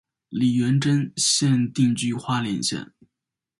李元贞现定居花莲县。